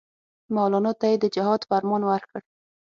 مولنا ته یې د جهاد فرمان ورکړ.